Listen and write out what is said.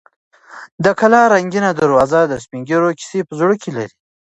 د کلا لرګینه دروازه د سپین ږیرو کیسې په زړه کې لري.